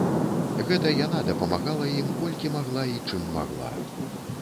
Гэта яна дапамагала ім колькі магла і чым магла.